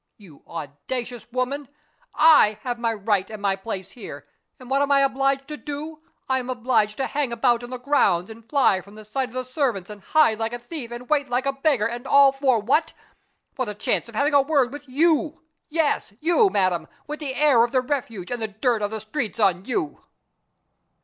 You audacious woman! I have my right and my place here and what am I obliged to do? I am obliged to hang about in the grounds, and fly from the sight of the servants, and hide like a thief, and wait like a beggar, and all for what? For the chance of having a word with you. Yes! you, madam! with the air of the Refuge and the dirt of the streets on you!"